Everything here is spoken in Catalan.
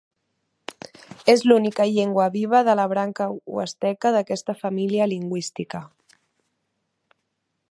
És l'única llengua viva de la branca huasteca d'aquesta família lingüística.